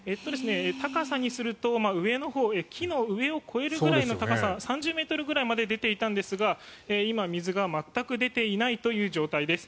高さにすると上のほう木の上を超えるくらいの高さ３０ｍぐらいまで出ていたんですが今、水が全く出ていないという状態です。